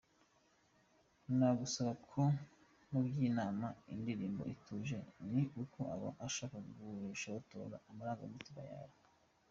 Nagusaba ko mubyinana indirimbo ituje ni uko aba ashaka gushotora amarangamutima yawe.